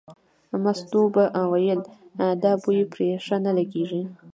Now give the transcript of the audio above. مستو به ویل دا بوی پرې ښه نه لګېږي.